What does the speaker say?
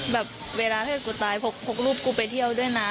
แบบเวลาถ้าเกิดกูตายพกรูปกูไปเที่ยวด้วยนะ